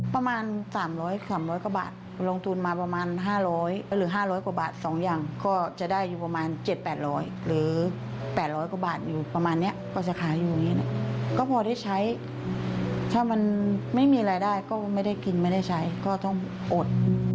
ประมาณ๓๐๐๓๐๐กว่าบาทลงทุนมาประมาณ๕๐๐หรือ๕๐๐กว่าบาท๒อย่างก็จะได้อยู่ประมาณ๗๘๐๐หรือ๘๐๐กว่าบาทอยู่ประมาณนี้พอจะขายอยู่อย่างนี้นะก็พอได้ใช้ถ้ามันไม่มีรายได้ก็ไม่ได้กินไม่ได้ใช้ก็ต้องอด